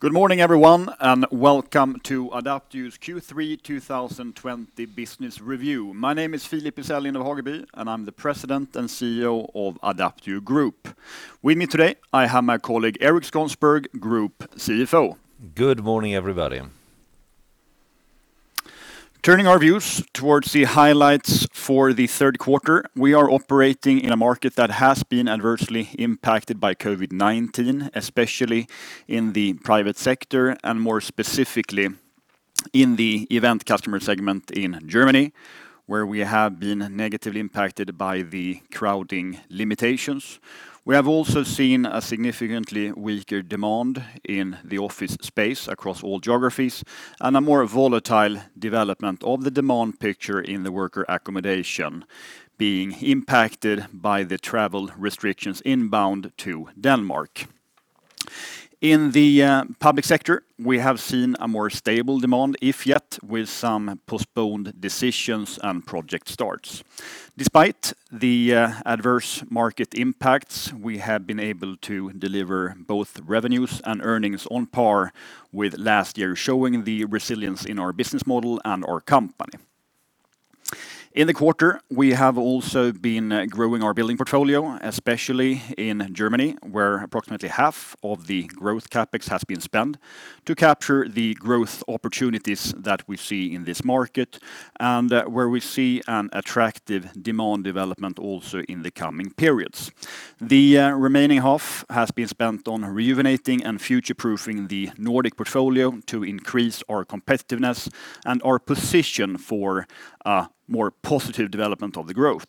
Good morning, everyone, and welcome to Adapteo's Q3 2020 business review. My name is Philip Isell Lind af Hageby, and I am the President and CEO of Adapteo Group. With me today, I have my colleague, Erik Skånsberg, Group CFO. Good morning, everybody. Turning our views towards the highlights for the third quarter. We are operating in a market that has been adversely impacted by COVID-19, especially in the private sector, and more specifically, in the event customer segment in Germany, where we have been negatively impacted by the crowding limitations. We have also seen a significantly weaker demand in the office space across all geographies and a more volatile development of the demand picture in the worker accommodation being impacted by the travel restrictions inbound to Denmark. In the public sector, we have seen a more stable demand, if yet with some postponed decisions and project starts. Despite the adverse market impacts, we have been able to deliver both revenues and earnings on par with last year, showing the resilience in our business model and our company. In the quarter, we have also been growing our building portfolio, especially in Germany, where approximately half of the growth CapEx has been spent to capture the growth opportunities that we see in this market and where we see an attractive demand development also in the coming periods. The remaining half has been spent on rejuvenating and future-proofing the Nordic portfolio to increase our competitiveness and our position for a more positive development of the growth.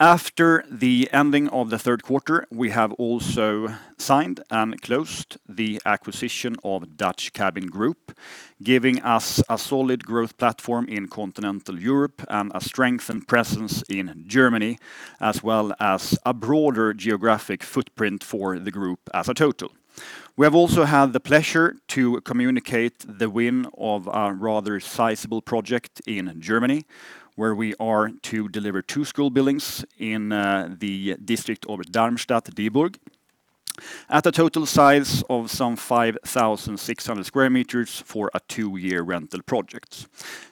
After the ending of the third quarter, we have also signed and closed the acquisition of Dutch Cabin Group, giving us a solid growth platform in continental Europe and a strengthened presence in Germany, as well as a broader geographic footprint for the group as a total. We have also had the pleasure to communicate the win of a rather sizable project in Germany, where we are to deliver two school buildings in the district of Darmstadt-Dieburg, at a total size of some 5,600 sq m for a two-year rental project.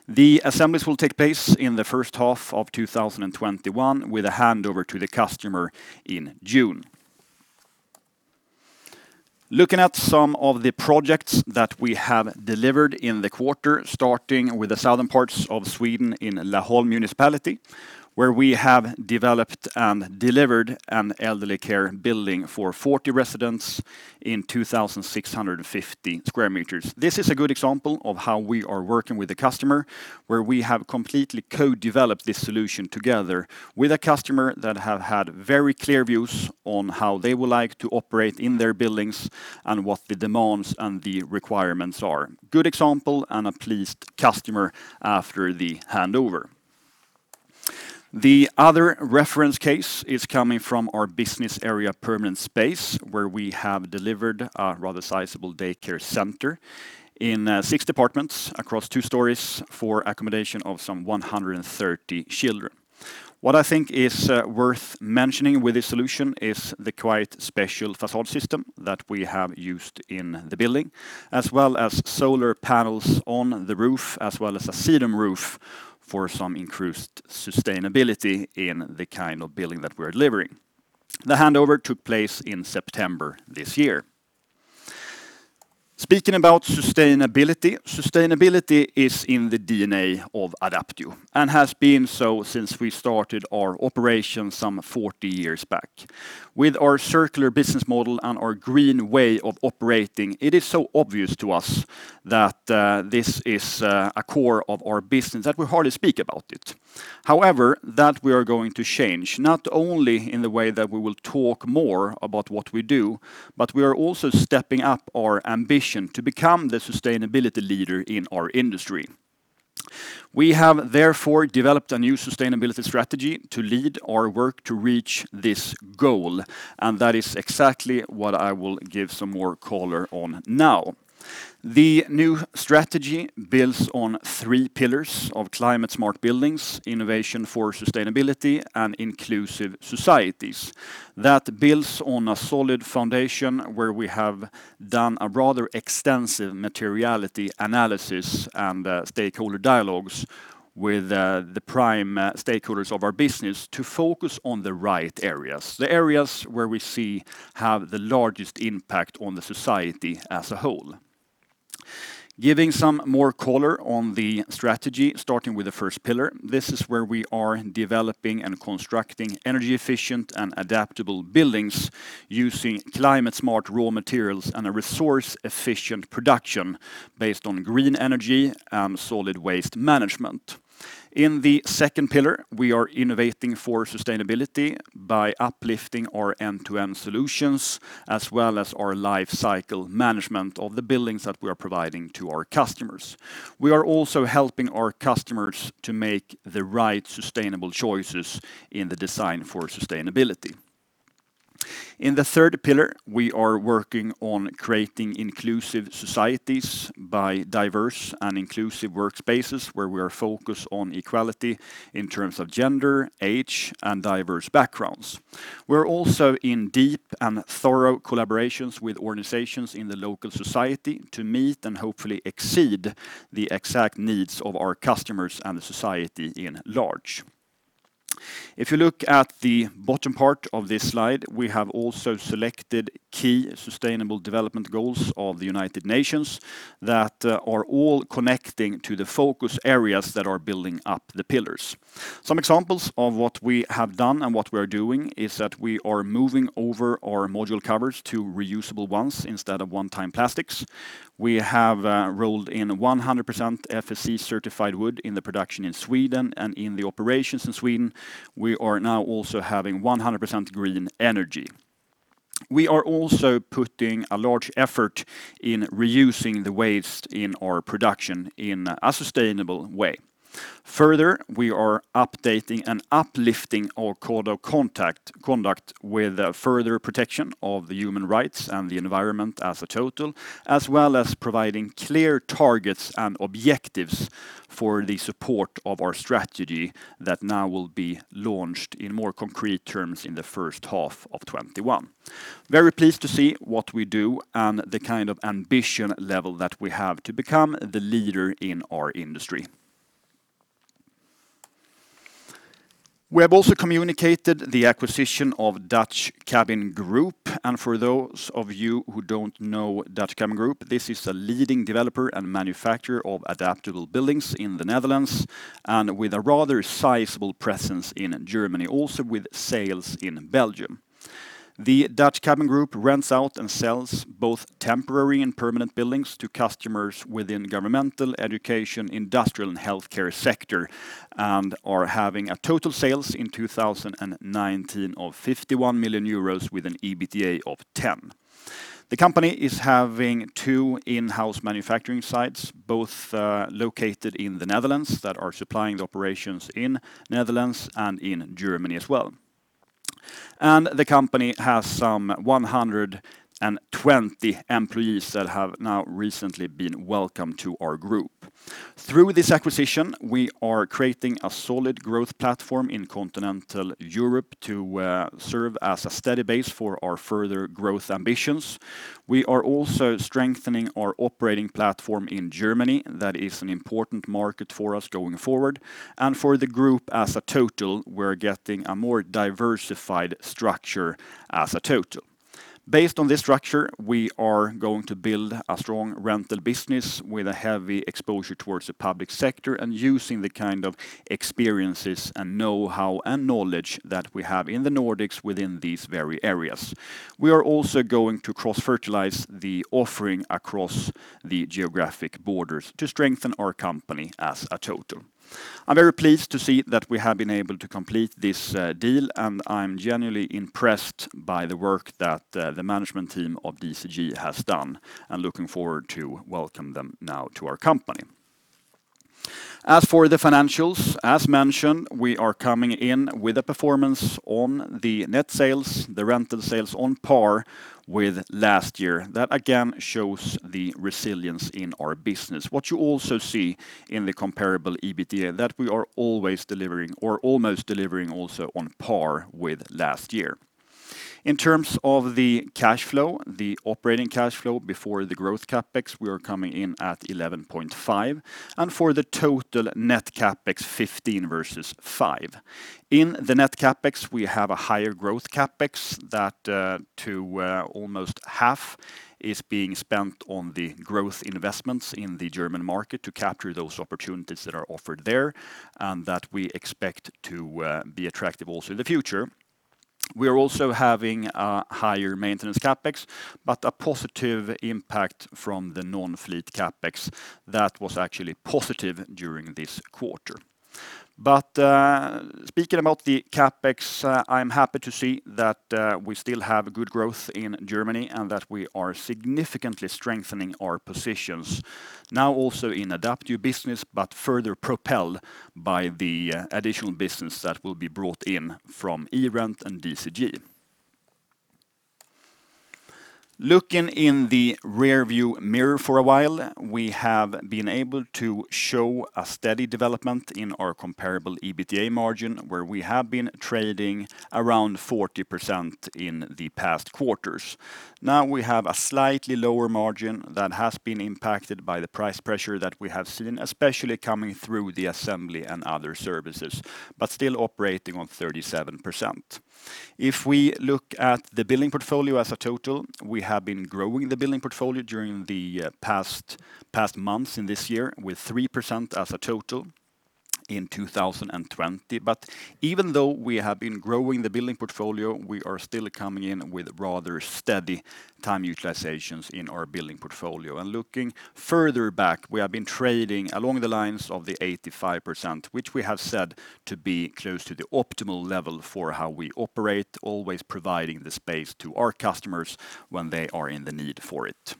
The assemblies will take place in the first half of 2021 with a handover to the customer in June. Looking at some of the projects that we have delivered in the quarter, starting with the southern parts of Sweden in Laholm Municipality, where we have developed and delivered an elderly care building for 40 residents in 2,650 sq m. This is a good example of how we are working with the customer, where we have completely co-developed this solution together with a customer that have had very clear views on how they would like to operate in their buildings and what the demands and the requirements are. Good example and a pleased customer after the handover. The other reference case is coming from our business area Permanent Space, where we have delivered a rather sizable daycare center in six departments across two stories for accommodation of some 130 children. What I think is worth mentioning with this solution is the quite special facade system that we have used in the building, as well as solar panels on the roof, as well as a sedum roof for some increased sustainability in the kind of building that we are delivering. The handover took place in September this year. Speaking about sustainability is in the DNA of Adapteo and has been so since we started our operations some 40 years back. With our circular business model and our green way of operating, it is so obvious to us that this is a core of our business that we hardly speak about it. However, that we are going to change, not only in the way that we will talk more about what we do, but we are also stepping up our ambition to become the sustainability leader in our industry. We have therefore developed a new sustainability strategy to lead our work to reach this goal, and that is exactly what I will give some more color on now. The new strategy builds on three pillars of climate-smart buildings, innovation for sustainability, and inclusive societies. That builds on a solid foundation where we have done a rather extensive materiality analysis and stakeholder dialogues with the prime stakeholders of our business to focus on the right areas, the areas where we see have the largest impact on the society as a whole. Giving some more color on the strategy, starting with the first pillar. This is where we are developing and constructing energy-efficient and adaptable buildings using climate-smart raw materials and a resource-efficient production based on green energy and solid waste management. In the second pillar, we are innovating for sustainability by uplifting our end-to-end solutions, as well as our life cycle management of the buildings that we are providing to our customers. We are also helping our customers to make the right sustainable choices in the design for sustainability. In the third pillar, we are working on creating inclusive societies by diverse and inclusive workspaces where we are focused on equality in terms of gender, age, and diverse backgrounds. We are also in deep and thorough collaborations with organizations in the local society to meet and hopefully exceed the exact needs of our customers and the society at large. If you look at the bottom part of this slide, we have also selected key sustainable development goals of the United Nations that all connect to the focus areas that are building up the pillars. Some examples of what we have done and what we are doing is that we are moving over our module covers to reusable ones instead of one-time plastics. We have rolled in 100% FSC-certified wood in the production in Sweden, and in the operations in Sweden, we are now also having 100% green energy. We are also putting a large effort into reusing the waste in our production in a sustainable way. Further, we are updating and uplifting our code of conduct with further protection of human rights and the environment as a total, as well as providing clear targets and objectives for the support of our strategy that will now be launched in more concrete terms in the first half of 2021. Very pleased to see what we do and the kind of ambition level that we have to become the leader in our industry. We have also communicated the acquisition of Dutch Cabin Group. For those of you who don't know Dutch Cabin Group, this is a leading developer and manufacturer of adaptable buildings in the Netherlands, with a rather sizable presence in Germany, also with sales in Belgium. The Dutch Cabin Group rents out and sells both temporary and permanent buildings to customers within governmental, education, industrial, and healthcare sectors, and had total sales in 2019 of 51 million euros with an EBITDA of 10 million. The company has two in-house manufacturing sites, both located in the Netherlands, that are supplying the operations in Netherlands and in Germany as well. The company has some 120 employees that have now recently been welcomed to our Group. Through this acquisition, we are creating a solid growth platform in continental Europe to serve as a steady base for our further growth ambitions. We are also strengthening our operating platform in Germany. That is an important market for us going forward. For the group as a total, we're getting a more diversified structure as a total. Based on this structure, we are going to build a strong rental business with a heavy exposure towards the public sector, and using the kind of experiences and know-how and knowledge that we have in the Nordics within these very areas. We are also going to cross-fertilize the offering across the geographic borders to strengthen our company as a total. I'm very pleased to see that we have been able to complete this deal, and I'm genuinely impressed by the work that the management team of DCG has done, and looking forward to welcoming them now to our company. As for the financials, as mentioned, we are coming in with a performance on the net sales, the rental sales on par with last year. That, again, shows the resilience in our business. What you also see in the comparable EBITDA is that we are always delivering or almost delivering also on par with last year. In terms of the cash flow, the operating cash flow before the growth CapEx, we are coming in at 11.5. For the total net CapEx, 15 versus 5. In the net CapEx, we have a higher growth CapEx that almost half is being spent on the growth investments in the German market to capture those opportunities that are offered there and that we expect to be attractive also in the future. We are also having a higher maintenance CapEx, but a positive impact from the non-fleet CapEx that was actually positive during this quarter. Speaking about the CapEx, I'm happy to see that we still have good growth in Germany and that we are significantly strengthening our positions now also in Adapteo business, but further propelled by the additional business that will be brought in from eRent and DCG. Looking in the rearview mirror for a while, we have been able to show a steady development in our comparable EBITDA margin, where we have been trading around 40% in the past quarters. We have a slightly lower margin that has been impacted by the price pressure that we have seen, especially coming through the assembly and other services, but still operating on 37%. We look at the building portfolio as a total, we have been growing the building portfolio during the past months in this year with 3% as a total in 2020. Even though we have been growing the building portfolio, we are still coming in with rather steady time utilizations in our building portfolio. Looking further back, we have been trading along the lines of the 85%, which we have said to be close to the optimal level for how we operate, always providing the space to our customers when they are in need of it.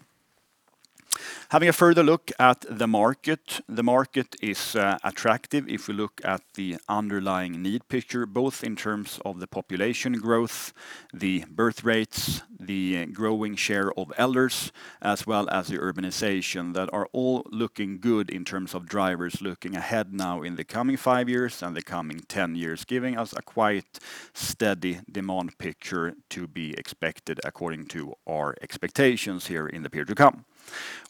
Having a further look at the market. The market is attractive if you look at the underlying need picture, both in terms of the population growth, the birth rates, the growing share of elders, as well as the urbanization that are all looking good in terms of drivers looking ahead now in the coming five years and the coming 10 years, giving us a quite steady demand picture to be expected according to our expectations here in the period to come.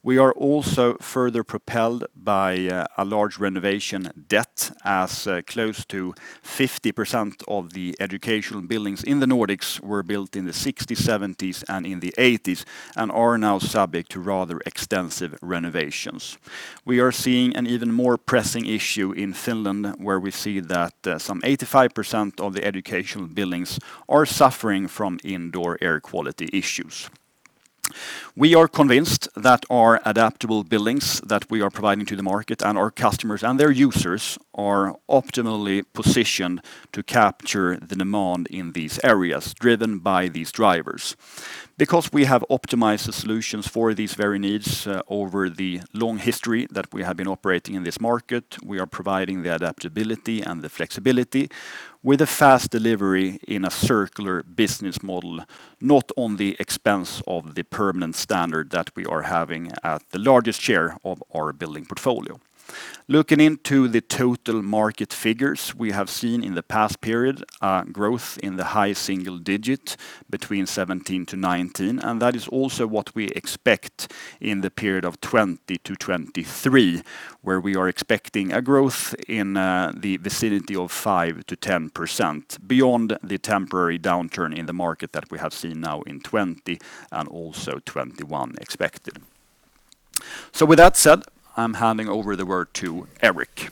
We are also further propelled by a large renovation debt, as close to 50% of the educational buildings in the Nordics were built in the '60s, '70s, and in the '80s, and are now subject to rather extensive renovations. We are seeing an even more pressing issue in Finland, where we see that some 85% of the educational buildings are suffering from indoor air quality issues. We are convinced that our adaptable buildings that we are providing to the market and our customers and their users are optimally positioned to capture the demand in these areas driven by these drivers. Because we have optimized the solutions for these very needs over the long history that we have been operating in this market, we are providing the adaptability and the flexibility with a fast delivery in a circular business model, not on the expense of the permanent standard that we are having at the largest share of our building portfolio. Looking into the total market figures we have seen in the past period, growth in the high single-digit between 2017-2019, and that is also what we expect in the period of 2020-2023, where we are expecting a growth in the vicinity of 5%-10% beyond the temporary downturn in the market that we have seen now in 2020 and also 2021 expected. With that said, I'm handing over the word to Erik.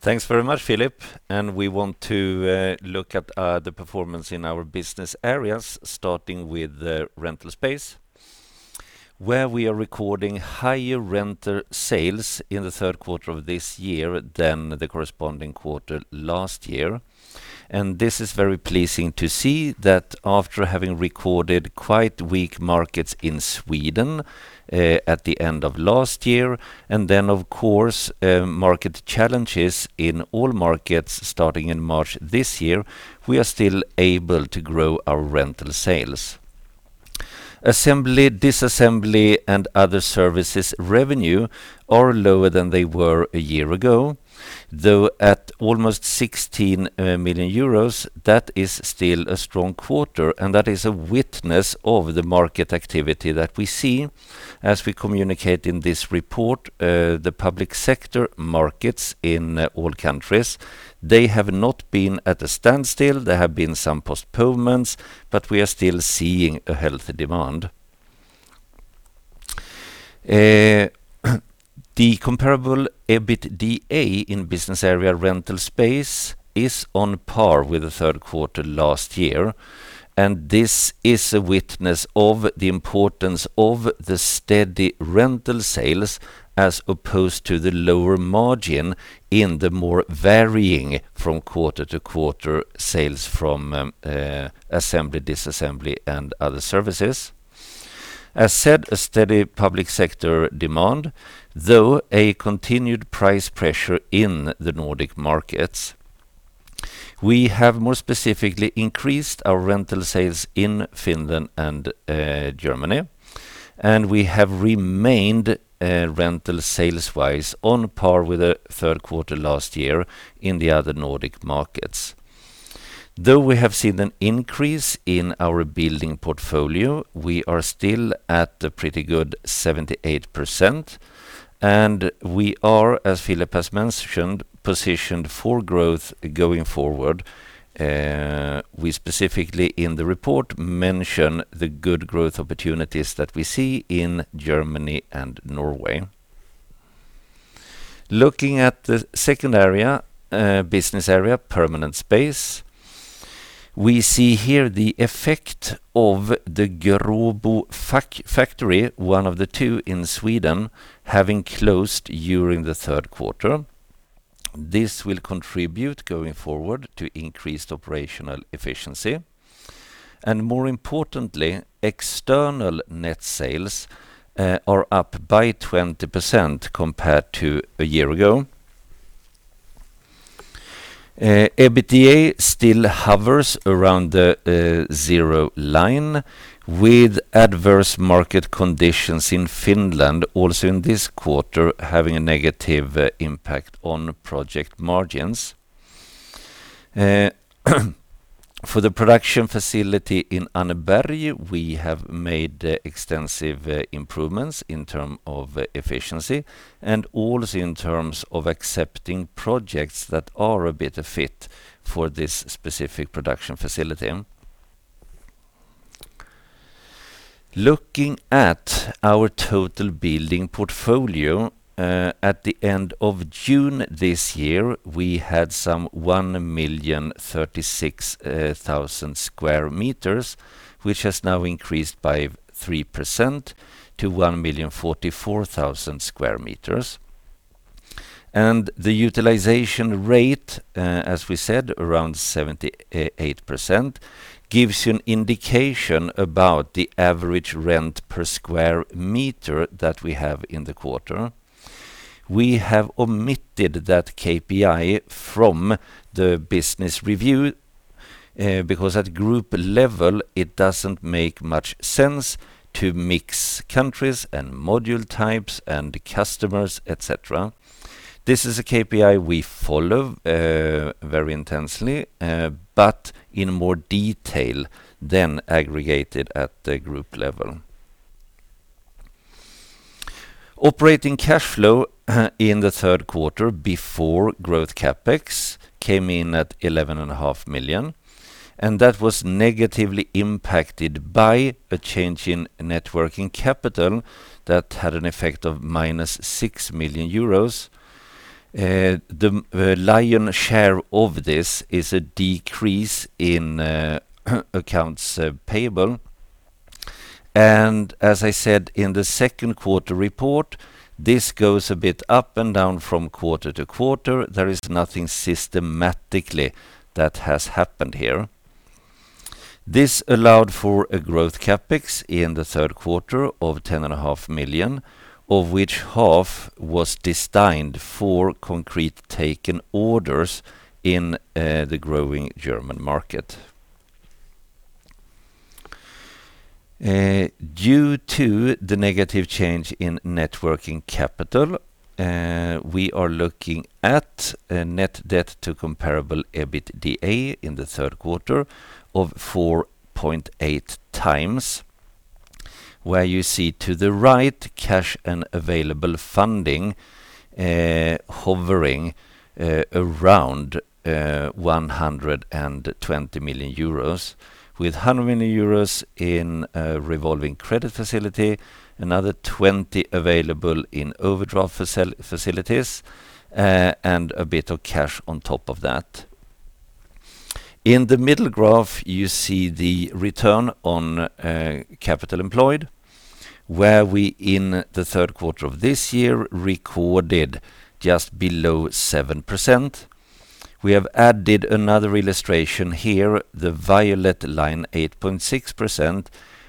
Thanks very much, Philip. We want to look at the performance in our business areas, starting with the Rental Space, where we are recording higher rental sales in the third quarter of this year than the corresponding quarter last year. This is very pleasing to see that after having recorded quite weak markets in Sweden, at the end of last year, and then of course, market challenges in all markets starting in March this year, we are still able to grow our rental sales. Assembly, disassembly, and other services revenue are lower than they were a year ago, though at almost 16 million euros, that is still a strong quarter, and that is a witness of the market activity that we see as we communicate in this report, the public sector markets in all countries, they have not been at a standstill. There have been some postponements, but we are still seeing a healthy demand. The comparable EBITDA in business area Rental Space is on par with the third quarter last year, and this is a witness of the importance of the steady rental sales as opposed to the lower margin in the more varying from quarter to quarter sales from assembly, disassembly, and other services. As said, a steady public sector demand, though a continued price pressure in the Nordic markets. We have more specifically increased our rental sales in Finland and Germany, and we have remained, rental sales-wise on par with the third quarter last year in the other Nordic markets. Though we have seen an increase in our building portfolio, we are still at a pretty good 78%, and we are, as Philip has mentioned, positioned for growth going forward. We specifically in the report mention the good growth opportunities that we see in Germany and Norway. Looking at the second business area, Permanent Space. We see here the effect of the Gråbo factory, one of the two in Sweden, having closed during the third quarter. This will contribute going forward to increased operational efficiency, and more importantly, external net sales are up by 20% compared to a year ago. EBITDA still hovers around the zero line with adverse market conditions in Finland, also in this quarter, having a negative impact on project margins. For the production facility in Anneberg, we have made extensive improvements in term of efficiency and also in terms of accepting projects that are a better fit for this specific production facility. Looking at our total building portfolio. At the end of June this year, we had some 1.036 million square meters, which has now increased by 3% to 1.044 million square meters. The utilization rate, as we said, around 78%, gives you an indication about the average rent per square meter that we have in the quarter. We have omitted that KPI from the business review, because at group level, it doesn't make much sense to mix countries and module types and customers, et cetera. This is a KPI we follow very intensely, but in more detail than aggregated at the group level. Operating cash flow in the third quarter before growth CapEx came in at 11.5 million, and that was negatively impacted by a change in net working capital that had an effect of -6 million euros. The lion's share of this is a decrease in accounts payable. As I said in the second quarter report, this goes a bit up and down from quarter to quarter. There is nothing systematically that has happened here. This allowed for a growth CapEx in the third quarter of 10.5 million, of which half was destined for concrete taken orders in the growing German market. Due to the negative change in net working capital, we are looking at a net debt to comparable EBITDA in the third quarter of 4.8x, where you see to the right, cash and available funding hovering around 120 million euros, with 100 million euros in revolving credit facility, another 20 million available in overdraft facilities, and a bit of cash on top of that. In the middle graph, you see the return on capital employed, where we in the third quarter of this year recorded just below 7%. We have added another illustration here, the violet line, 8.6%,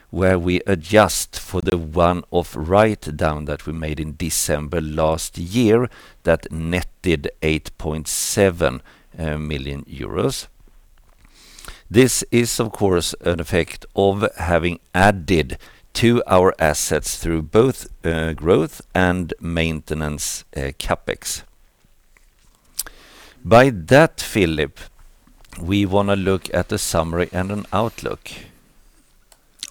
where we adjust for the one-off write-down that we made in December last year that netted 8.7 million euros. This is, of course, an effect of having added to our assets through both growth and maintenance CapEx. By that, Philip, we want to look at the summary and an outlook.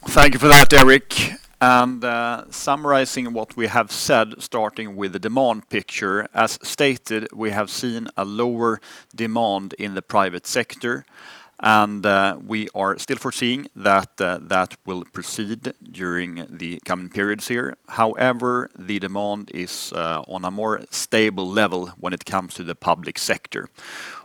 Thank you for that, Erik. Summarizing what we have said, starting with the demand picture, as stated, we have seen a lower demand in the private sector, and we are still foreseeing that that will proceed during the coming periods here. The demand is on a more stable level when it comes to the public sector.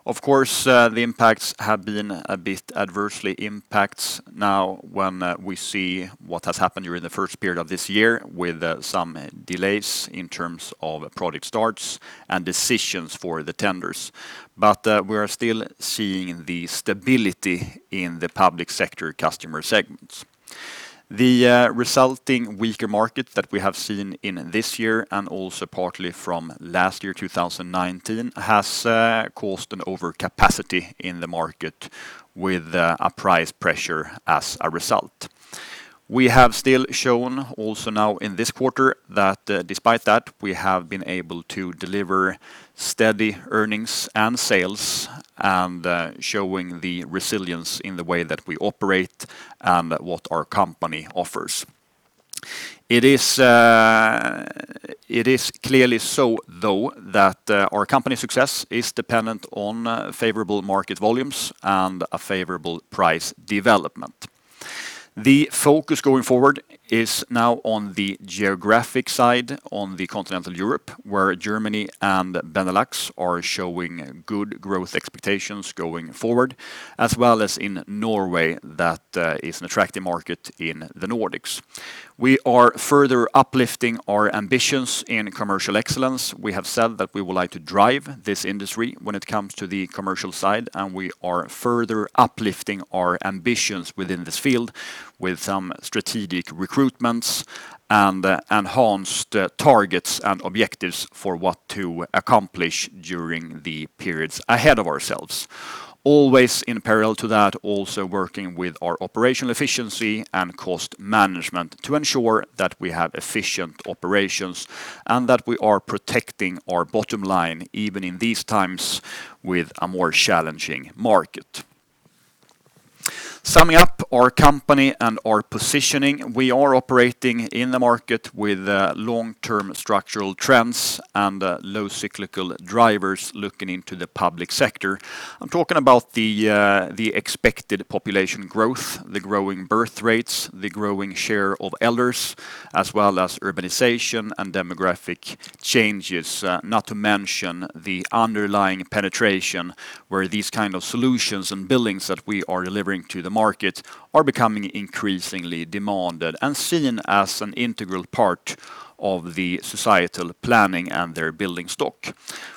Of course, the impacts have been a bit adversely impacts now when we see what has happened during the first period of this year with some delays in terms of project starts and decisions for the tenders. We are still seeing the stability in the public sector customer segments. The resulting weaker market that we have seen in this year and also partly from last year, 2019, has caused an overcapacity in the market with a price pressure as a result. We have still shown also now in this quarter that despite that, we have been able to deliver steady earnings and sales and showing the resilience in the way that we operate and what our company offers. It is clearly so, though, that our company's success is dependent on favorable market volumes and a favorable price development. The focus going forward is now on the geographic side, on the Continental Europe, where Germany and Benelux are showing good growth expectations going forward, as well as in Norway that is an attractive market in the Nordics. We are further uplifting our ambitions in commercial excellence. We have said that we would like to drive this industry when it comes to the commercial side, and we are further uplifting our ambitions within this field with some strategic recruitments and enhanced targets and objectives for what to accomplish during the periods ahead of ourselves. Always in parallel to that, also working with our operational efficiency and cost management to ensure that we have efficient operations and that we are protecting our bottom line, even in these times with a more challenging market. Summing up our company and our positioning, we are operating in the market with long-term structural trends and low cyclical drivers looking into the public sector. I'm talking about the expected population growth, the growing birth rates, the growing share of elders, as well as urbanization and demographic changes. Not to mention the underlying penetration where these kind of solutions and buildings that we are delivering to the market are becoming increasingly demanded and seen as an integral part of the societal planning and their building stock.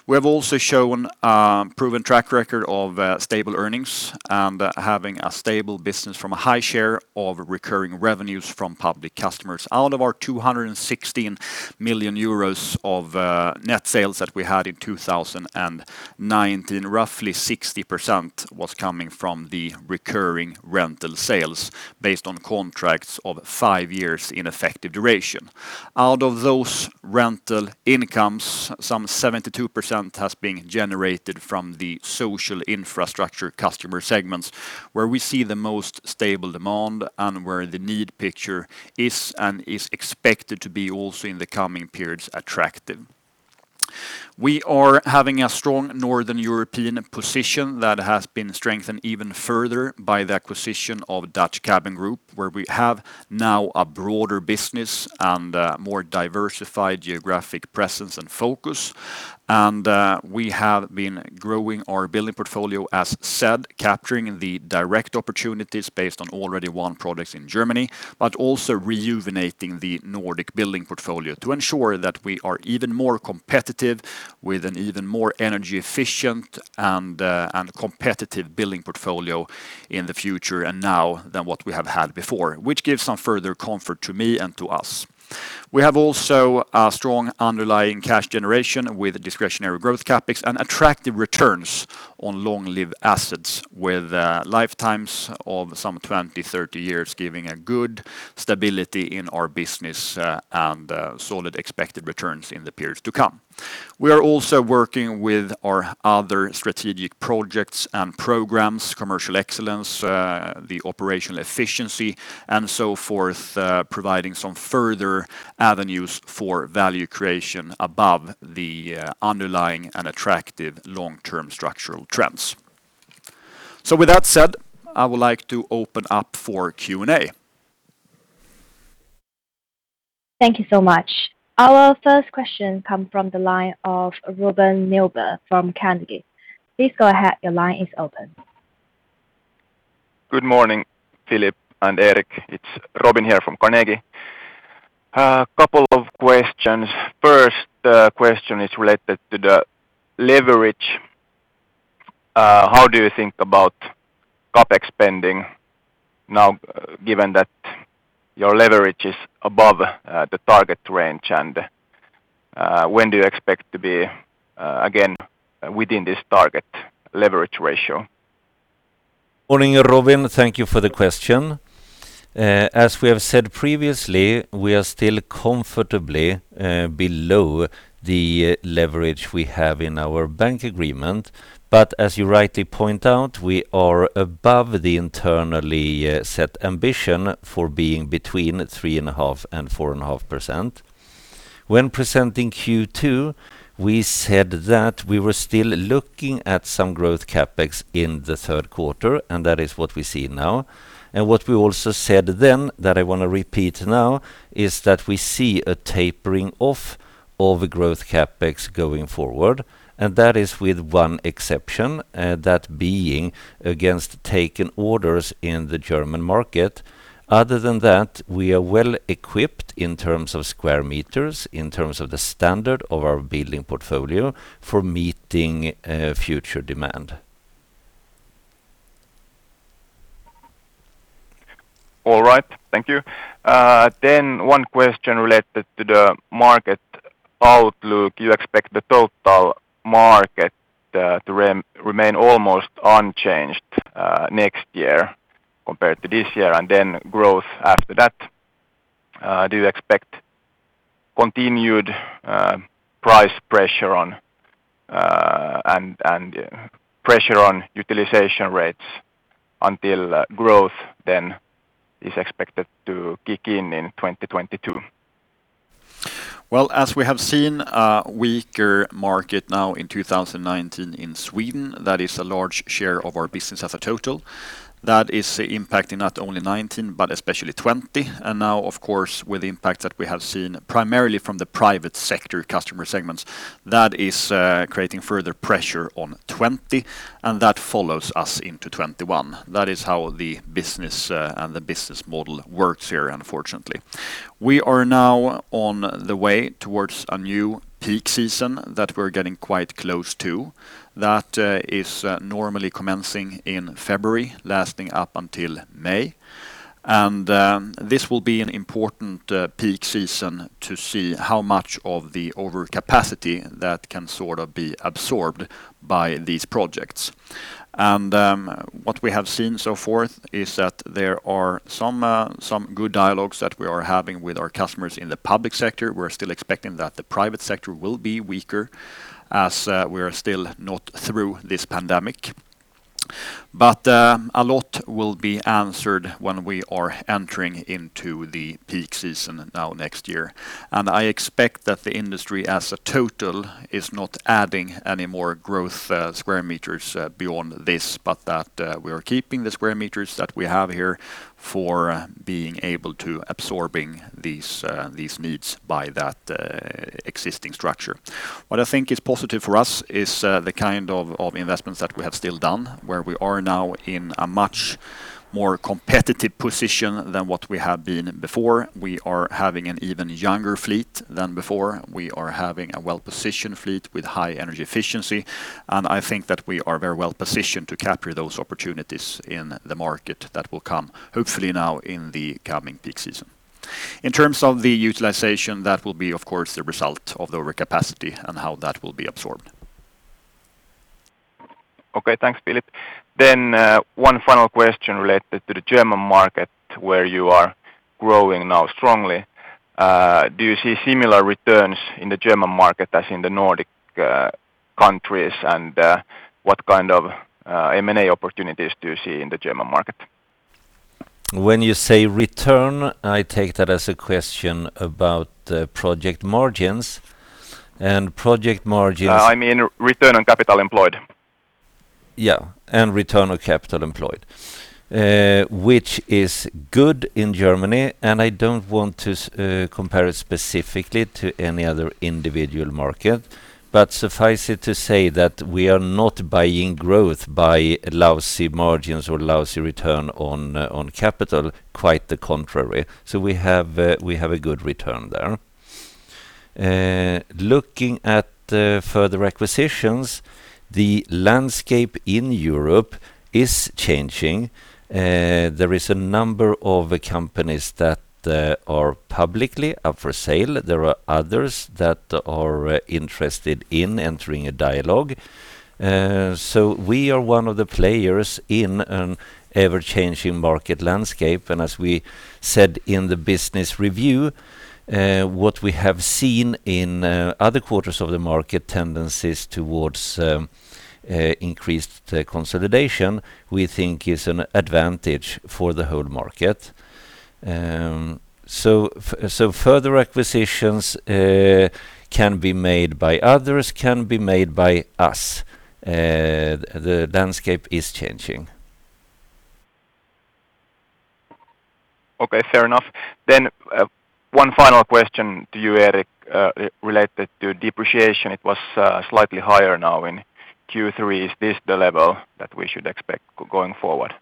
We have also shown a proven track record of stable earnings and having a stable business from a high share of recurring revenues from public customers. Out of our 216 million euros of net sales that we had in 2019, roughly 60% was coming from the recurring rental sales based on contracts of five years in effective duration. Out of those rental incomes, some 72% has been generated from the social infrastructure customer segments, where we see the most stable demand and where the need picture is and is expected to be also in the coming periods attractive. We are having a strong Northern European position that has been strengthened even further by the acquisition of Dutch Cabin Group, where we have now a broader business and a more diversified geographic presence and focus. We have been growing our building portfolio, as said, capturing the direct opportunities based on already won projects in Germany, but also rejuvenating the Nordic building portfolio to ensure that we are even more competitive with an even more energy efficient and competitive building portfolio in the future and now than what we have had before, which gives some further comfort to me and to us. We have also a strong underlying cash generation with discretionary growth CapEx and attractive returns on long-lived assets with lifetimes of some 20, 30 years giving a good stability in our business and solid expected returns in the periods to come. We are also working with our other strategic projects and programs, commercial excellence, the operational efficiency, and so forth, providing some further avenues for value creation above the underlying and attractive long-term structural trends. With that said, I would like to open up for Q&A. Thank you so much. Our first question come from the line of Robin Nyberg from Carnegie. Please go ahead. Your line is open. Good morning, Philip and Erik. It's Robin here from Carnegie. A couple of questions. First question is related to the leverage. How do you think about CapEx spending now, given that your leverage is above the target range? When do you expect to be again within this target leverage ratio? Morning, Robin. Thank you for the question. As we have said previously, we are still comfortably below the leverage we have in our bank agreement. As you rightly point out, we are above the internally set ambition for being between 3.5% and 4.5%. When presenting Q2, we said that we were still looking at some growth CapEx in the third quarter, and that is what we see now. What we also said then that I want to repeat now is that we see a tapering off of growth CapEx going forward, and that is with one exception, that being against taken orders in the German market. Other than that, we are well-equipped in terms of square meters, in terms of the standard of our building portfolio for meeting future demand. All right. Thank you. One question related to the market outlook. You expect the total market to remain almost unchanged next year compared to this year, and then growth after that. Do you expect continued price pressure and pressure on utilization rates until growth then is expected to kick in in 2022? As we have seen a weaker market now in 2019 in Sweden, that is a large share of our business as a total. That is impacting not only 2019, but especially 2020. Now, of course, with the impact that we have seen primarily from the private sector customer segments, that is creating further pressure on 2020, and that follows us into 2021. That is how the business and the business model works here, unfortunately. We are now on the way towards a new peak season that we are getting quite close to. That is normally commencing in February, lasting up until May. This will be an important peak season to see how much of the overcapacity that can sort of be absorbed by these projects. What we have seen so forth is that there are some good dialogues that we are having with our customers in the public sector. We are still expecting that the private sector will be weaker as we are still not through this pandemic. A lot will be answered when we are entering into the peak season now next year. I expect that the industry as a total is not adding any more growth square meters beyond this, but that we are keeping the square meters that we have here for being able to absorbing these needs by that existing structure. What I think is positive for us is the kind of investments that we have still done, where we are now in a much more competitive position than what we have been before. We are having an even younger fleet than before. We are having a well-positioned fleet with high energy efficiency. I think that we are very well positioned to capture those opportunities in the market that will come, hopefully now in the coming peak season. In terms of the utilization, that will be, of course, the result of the over capacity and how that will be absorbed. Okay. Thanks, Philip. One final question related to the German market, where you are growing now strongly. Do you see similar returns in the German market as in the Nordic countries? What kind of M&A opportunities do you see in the German market? When you say return, I take that as a question about project margins, and project margins. I mean return on capital employed. Return on capital employed, which is good in Germany. I don't want to compare it specifically to any other individual market, but suffice it to say that we are not buying growth by lousy margins or lousy return on capital. Quite the contrary. We have a good return there. Looking at further acquisitions, the landscape in Europe is changing. There is a number of companies that are publicly up for sale. There are others that are interested in entering a dialogue. We are one of the players in an ever-changing market landscape. As we said in the business review, what we have seen in other quarters of the market tendencies towards increased consolidation, we think is an advantage for the whole market. Further acquisitions can be made by others, can be made by us. The landscape is changing. Okay, fair enough. One final question to you, Erik, related to depreciation. It was slightly higher now in Q3. Is this the level that we should expect going forward?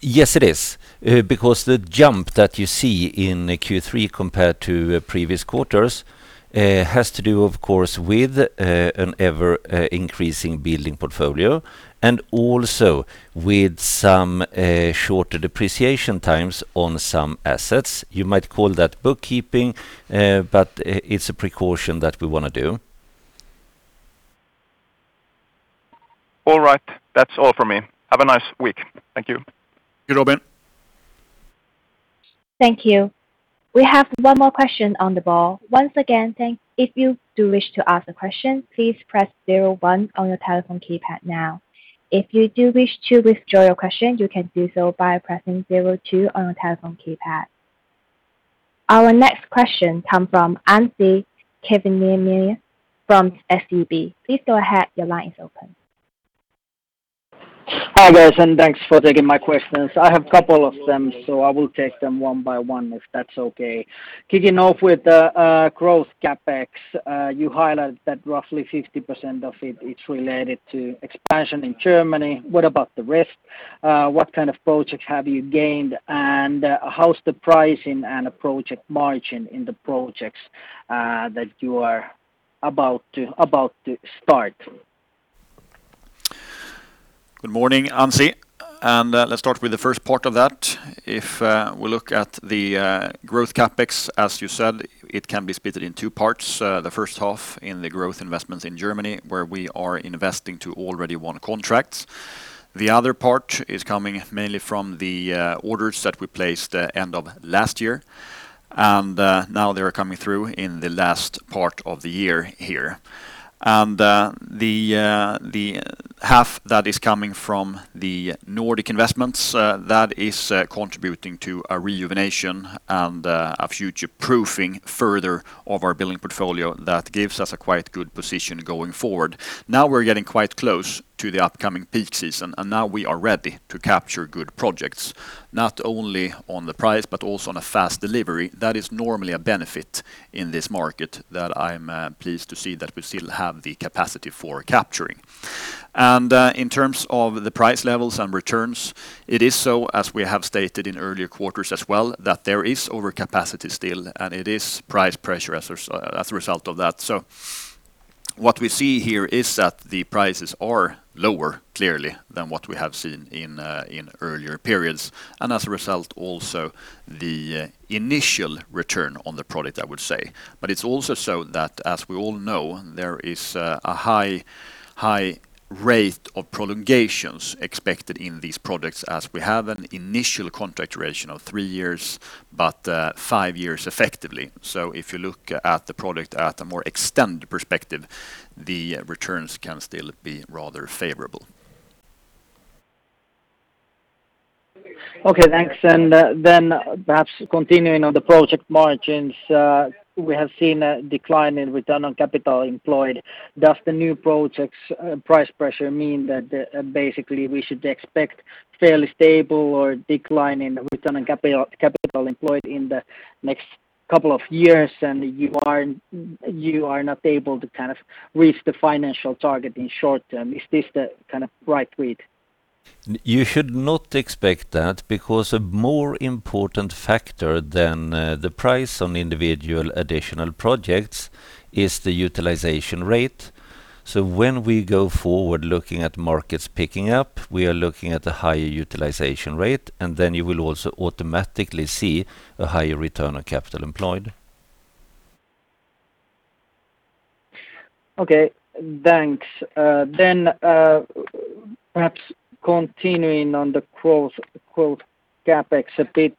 Yes, it is, because the jump that you see in Q3 compared to previous quarters, has to do, of course, with an ever-increasing building portfolio and also with some shorter depreciation times on some assets. You might call that bookkeeping, but it is a precaution that we want to do. All right. That's all from me. Have a nice week. Thank you. You're welcome. Thank you. We have one more question on the ball. Once again, if you do wish to ask a question, please press zero one on your telephone keypad now. If you do wish to withdraw your question, you can do so by pressing zero two on your telephone keypad. Our next question come from Anssi Kiviniemi from SEB. Please go ahead. Your line is open. Hi, guys, and thanks for taking my questions. I have couple of them, so I will take them one by one if that's okay. Kicking off with the growth CapEx, you highlighted that roughly 50% of it is related to expansion in Germany. What about the rest? What kind of projects have you gained, and how's the pricing and project margin in the projects that you are about to start? Good morning, Anssi. Let's start with the first part of that. If we look at the growth CapEx, as you said, it can be splitted in two parts. The first half in the growth investments in Germany, where we are investing to already won contracts. The other part is coming mainly from the orders that we placed end of last year, and now they are coming through in the last part of the year here. The half that is coming from the Nordic investments, that is contributing to a rejuvenation and a future-proofing further of our building portfolio that gives us a quite good position going forward. Now we're getting quite close to the upcoming peak season, and now we are ready to capture good projects, not only on the price but also on a fast delivery. That is normally a benefit in this market that I'm pleased to see that we still have the capacity for capturing. In terms of the price levels and returns, it is so, as we have stated in earlier quarters as well, that there is overcapacity still, and it is price pressure as a result of that. What we see here is that the prices are lower, clearly, than what we have seen in earlier periods, and as a result, also the initial return on the product, I would say. It's also so that, as we all know, there is a high rate of prolongations expected in these products as we have an initial contract duration of three years, but five years effectively. If you look at the product at a more extended perspective, the returns can still be rather favorable. Okay, thanks. Perhaps continuing on the project margins, we have seen a decline in return on capital employed. Does the new project's price pressure mean that basically we should expect fairly stable or decline in return on capital employed in the next couple of years, and you are not able to reach the financial target in short term? Is this the right read? You should not expect that, because a more important factor than the price on individual additional projects is the utilization rate. When we go forward looking at markets picking up, we are looking at a higher utilization rate, and then you will also automatically see a higher return on capital employed. Okay, thanks. Perhaps continuing on the growth CapEx a bit.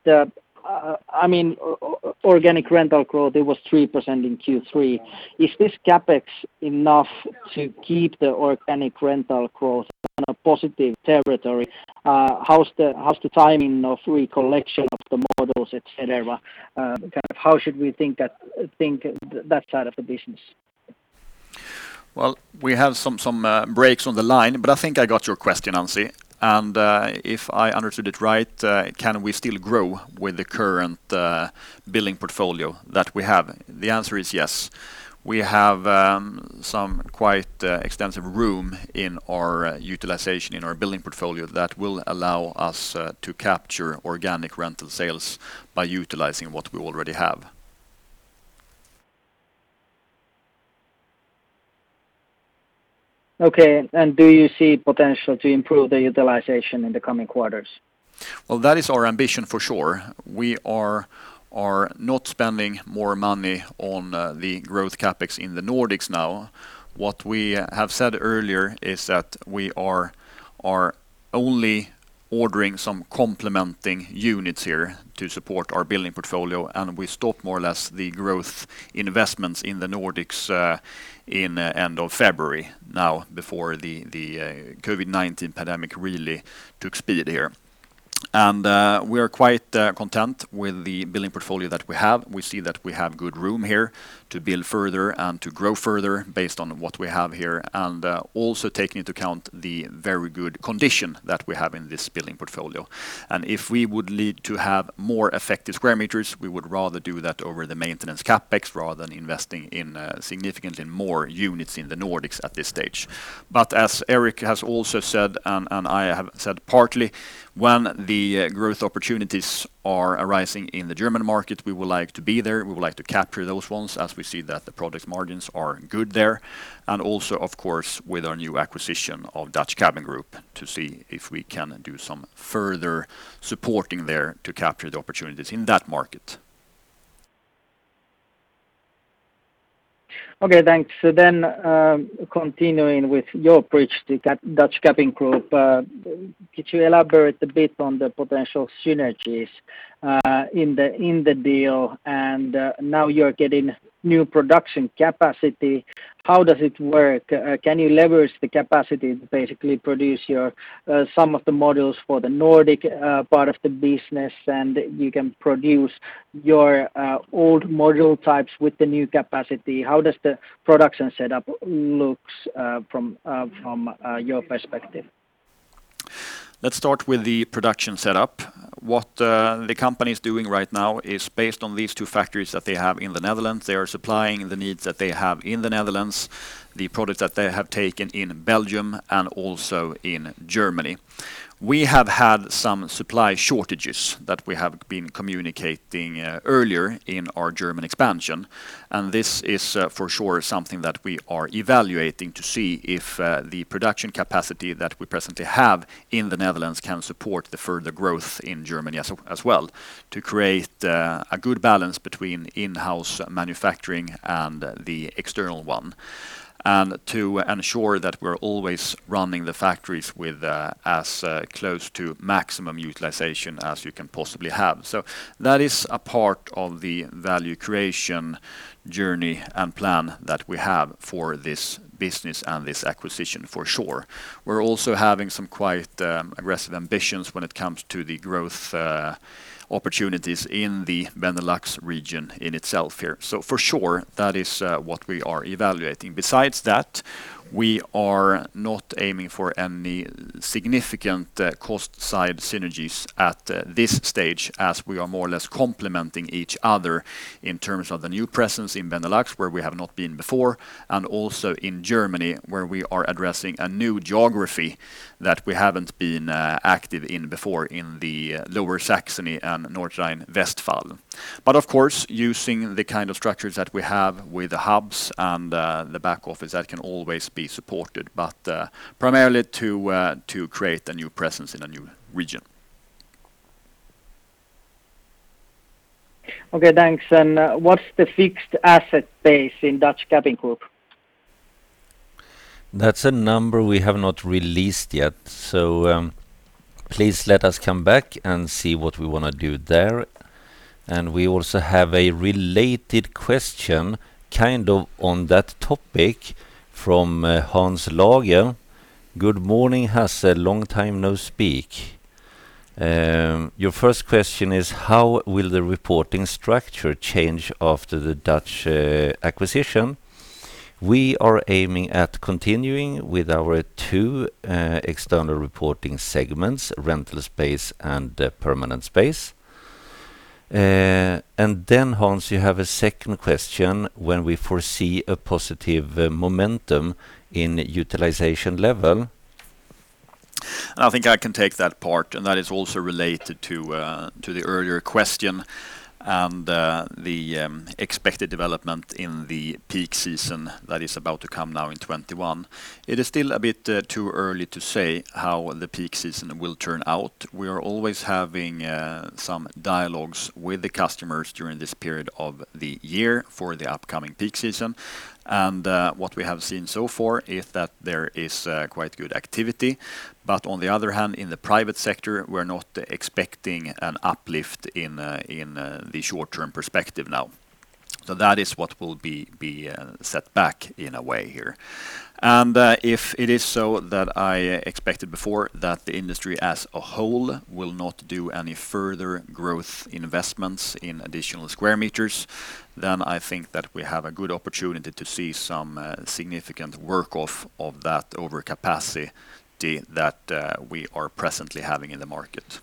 Organic rental growth, it was 3% in Q3. Is this CapEx enough to keep the organic rental growth in a positive territory? How's the timing of recollection of the models, et cetera? How should we think that side of the business? Well, we have some breaks on the line, I think I got your question, Anssi. If I understood it right, can we still grow with the current building portfolio that we have? The answer is yes. We have some quite extensive room in our utilization, in our building portfolio that will allow us to capture organic rental sales by utilizing what we already have. Okay, do you see potential to improve the utilization in the coming quarters? Well, that is our ambition for sure. We are not spending more money on the growth CapEx in the Nordics now. What we have said earlier is that we are only ordering some complementing units here to support our building portfolio, and we stop more or less the growth investments in the Nordics in end of February now before the COVID-19 pandemic really took speed here. We are quite content with the building portfolio that we have. We see that we have good room here to build further and to grow further based on what we have here, and also taking into account the very good condition that we have in this building portfolio. If we would need to have more effective square meters, we would rather do that over the maintenance CapEx rather than investing in significantly more units in the Nordics at this stage. As Erik has also said, and I have said partly, when the growth opportunities are arising in the German market, we would like to be there. We would like to capture those ones as we see that the product margins are good there. Also, of course, with our new acquisition of Dutch Cabin Group, to see if we can do some further supporting there to capture the opportunities in that market. Okay, thanks. Continuing with your bridge to Dutch Cabin Group, could you elaborate a bit on the potential synergies in the deal and now you're getting new production capacity. How does it work? Can you leverage the capacity to basically produce some of the modules for the Nordic part of the business, and you can produce your old module types with the new capacity? How does the production setup look from your perspective? Let's start with the production setup. What the company's doing right now is based on these two factories that they have in the Netherlands. They are supplying the needs that they have in the Netherlands, the products that they have taken in Belgium and also in Germany. We have had some supply shortages that we have been communicating earlier in our German expansion. This is for sure something that we are evaluating to see if the production capacity that we presently have in the Netherlands can support the further growth in Germany as well, to create a good balance between in-house manufacturing and the external one. To ensure that we're always running the factories with as close to maximum utilization as you can possibly have. That is a part of the value creation journey and plan that we have for this business and this acquisition for sure. We're also having some quite aggressive ambitions when it comes to the growth opportunities in the Benelux region in itself here. For sure, that is what we are evaluating. Besides that, we are not aiming for any significant cost side synergies at this stage as we are more or less complementing each other in terms of the new presence in Benelux, where we have not been before, and also in Germany, where we are addressing a new geography that we haven't been active in before in the Lower Saxony and Nordrhein-Westfalen. Of course, using the kind of structures that we have with the hubs and the back office, that can always be supported, but primarily to create a new presence in a new region. Okay, thanks. What's the fixed asset base in Dutch Cabin Group? That's a number we have not released yet. Please let us come back and see what we want to do there. We also have a related question on that topic from Hans Lagerlöf. Good morning, Hasse. Long time no speak. Your first question is, how will the reporting structure change after the Dutch acquisition? We are aiming at continuing with our two external reporting segments, Rental Space and Permanent Space. Hans, you have a second question, when we foresee a positive momentum in utilization level. I think I can take that part, and that is also related to the earlier question and the expected development in the peak season that is about to come now in 2021. It is still a bit too early to say how the peak season will turn out. We are always having some dialogues with the customers during this period of the year for the upcoming peak season. What we have seen so far is that there is quite good activity. On the other hand, in the private sector, we're not expecting an uplift in the short-term perspective now. That is what will be set back in a way here. If it is so that I expected before that the industry as a whole will not do any further growth investments in additional square meters, I think that we have a good opportunity to see some significant work-off of that overcapacity that we are presently having in the market.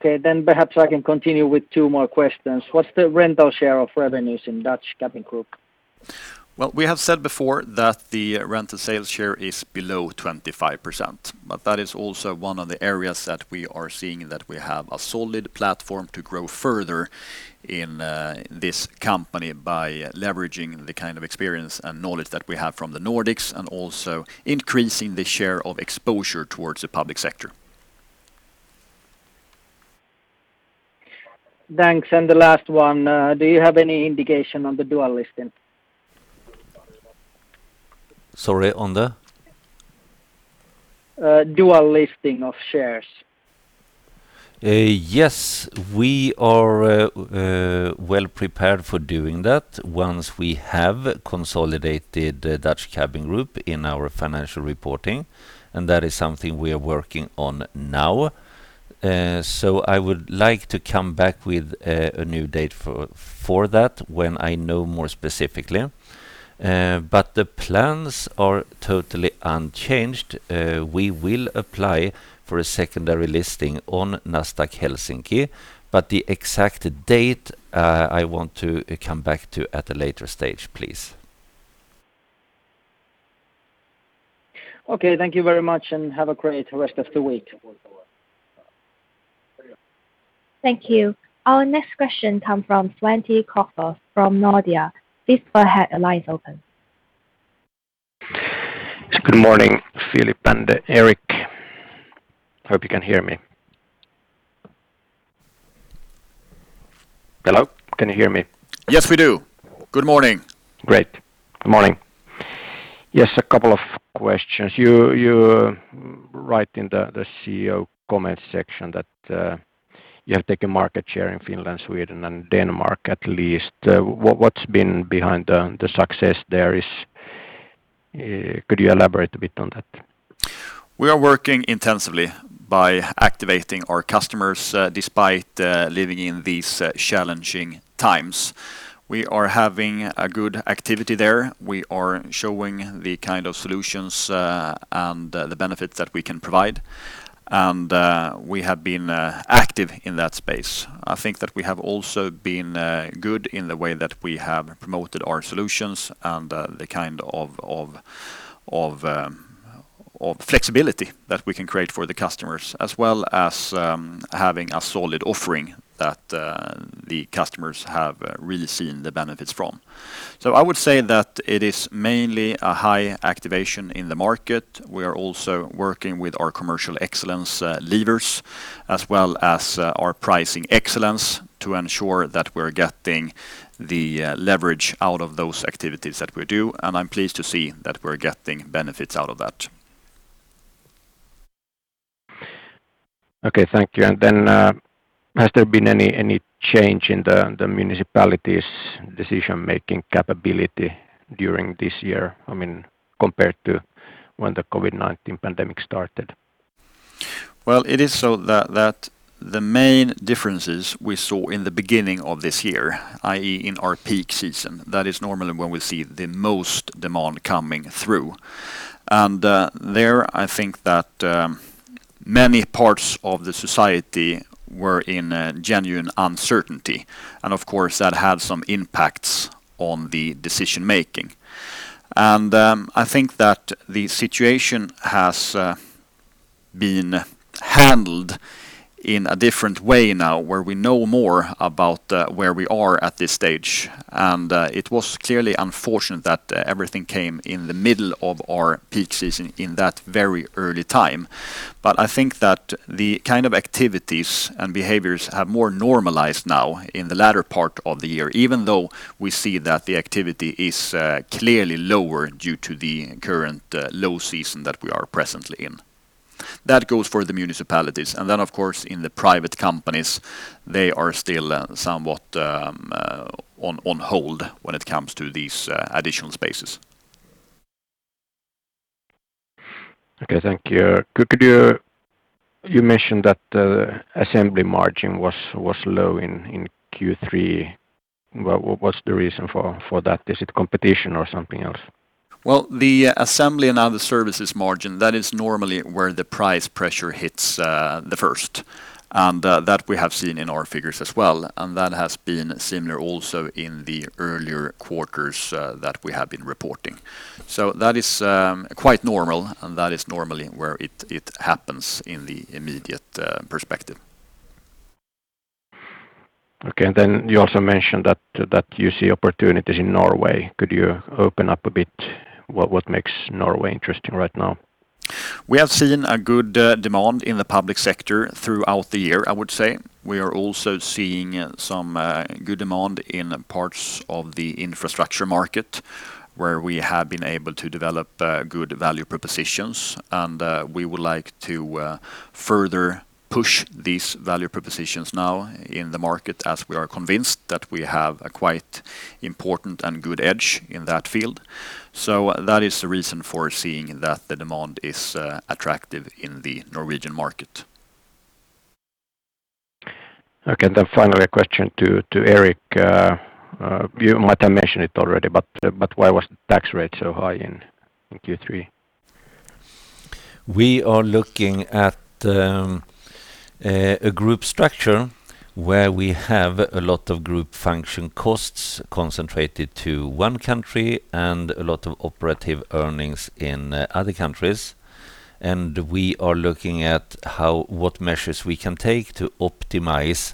Perhaps I can continue with two more questions. What's the rental share of revenues in Dutch Cabin Group? Well, we have said before that the rental sales share is below 25%, but that is also one of the areas that we are seeing that we have a solid platform to grow further in this company by leveraging the kind of experience and knowledge that we have from the Nordics and also increasing the share of exposure towards the public sector. Thanks. The last one, do you have any indication on the dual listing? Sorry, on the? Dual listing of shares. Yes. We are well prepared for doing that once we have consolidated Dutch Cabin Group in our financial reporting, and that is something we are working on now. I would like to come back with a new date for that when I know more specifically. The plans are totally unchanged. We will apply for a secondary listing on Nasdaq Helsinki, the exact date, I want to come back to at a later stage, please. Okay. Thank you very much, and have a great rest of the week. Thank you. Our next question come from Svante Krokfors from Nordea. Please go ahead. The line's open. Good morning, Philip and Erik. Hope you can hear me. Hello, can you hear me? Yes, we do. Good morning. Great. Good morning. Yes, a couple of questions. You write in the CEO comments section that you have taken market share in Finland, Sweden, and Denmark, at least. What's been behind the success there? Could you elaborate a bit on that? We are working intensively by activating our customers, despite living in these challenging times. We are having a good activity there. We are showing the kind of solutions and the benefits that we can provide, and we have been active in that space. I think that we have also been good in the way that we have promoted our solutions and the kind of flexibility that we can create for the customers, as well as having a solid offering that the customers have really seen the benefits from. I would say that it is mainly a high activation in the market. We are also working with our commercial excellence levers as well as our pricing excellence to ensure that we're getting the leverage out of those activities that we do. I'm pleased to see that we're getting benefits out of that. Okay, thank you. Has there been any change in the municipalities' decision-making capability during this year? I mean, compared to when the COVID-19 pandemic started. Well, it is so that the main differences we saw in the beginning of this year, i.e., in our peak season. That is normally when we see the most demand coming through. There, I think that many parts of the society were in genuine uncertainty, and of course that had some impacts on the decision-making. I think that the situation has been handled in a different way now, where we know more about where we are at this stage. It was clearly unfortunate that everything came in the middle of our peak season in that very early time. I think that the kind of activities and behaviors have more normalized now in the latter part of the year, even though we see that the activity is clearly lower due to the current low season that we are presently in. That goes for the municipalities. Of course, in the private companies, they are still somewhat on hold when it comes to these additional spaces. Okay. Thank you. You mentioned that the assembly margin was low in Q3. What's the reason for that? Is it competition or something else? Well, the assembly and now the services margin, that is normally where the price pressure hits the first, and that we have seen in our figures as well, and that has been similar also in the earlier quarters that we have been reporting. That is quite normal, and that is normally where it happens in the immediate perspective. Okay. You also mentioned that you see opportunities in Norway. Could you open up a bit what makes Norway interesting right now? We have seen a good demand in the public sector throughout the year, I would say. We are also seeing some good demand in parts of the infrastructure market, where we have been able to develop good value propositions, and we would like to further push these value propositions now in the market, as we are convinced that we have a quite important and good edge in that field. That is the reason for seeing that the demand is attractive in the Norwegian market. Okay. Finally, a question to Erik. You might have mentioned it already, but why was the tax rate so high in Q3? We are looking at a Group structure where we have a lot of Group function costs concentrated to one country and a lot of operative earnings in other countries. We are looking at what measures we can take to optimize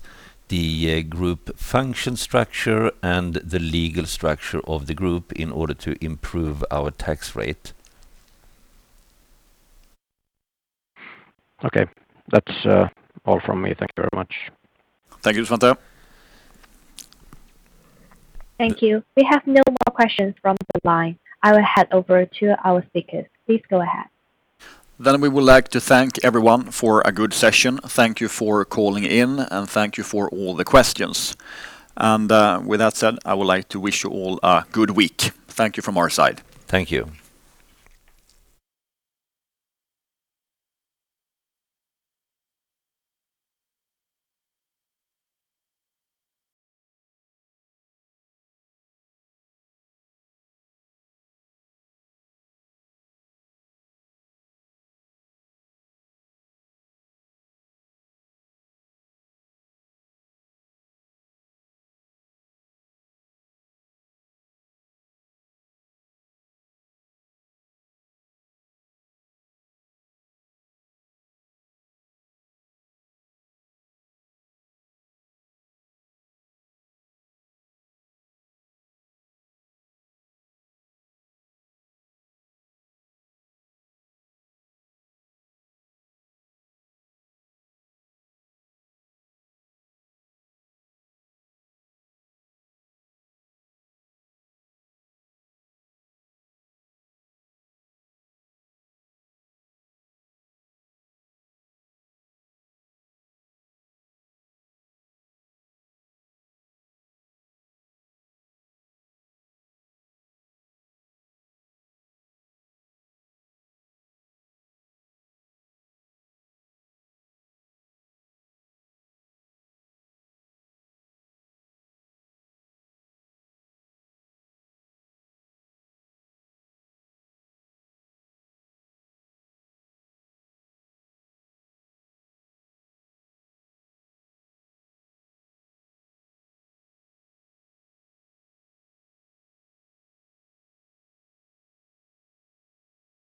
the Group function structure and the legal structure of the Group in order to improve our tax rate. Okay. That's all from me. Thank you very much. Thank you, Svante. Thank you. We have no more questions from the line. I will hand over to our speakers. Please go ahead. We would like to thank everyone for a good session. Thank you for calling in, and thank you for all the questions. With that said, I would like to wish you all a good week. Thank you from our side. Thank you.